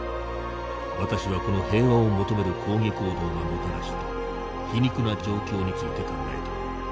私はこの平和を求める抗議行動がもたらした皮肉な状況について考えた。